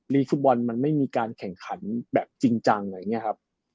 ทีมชาติเยอร์มันไม่มีการแข่งขันแบบจริงอย่างเงี้ยครับ